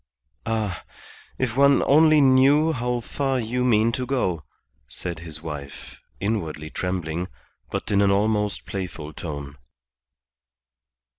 "Ah, if one only knew how far you mean to go," said his wife inwardly trembling, but in an almost playful tone.